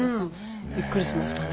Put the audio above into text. びっくりしましたね。